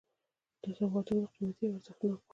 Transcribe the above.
دا سوغاتونه به قیمتي او ارزښتناک وو.